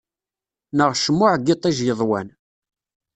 Neɣ cmuɛ n yiṭij yeḍwan.